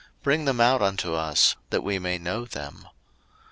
bring them out unto us, that we may know them.